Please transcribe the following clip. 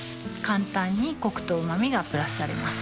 簡単にコクとうま味がプラスされます